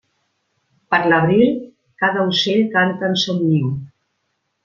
Per l'abril, cada ocell canta en son niu.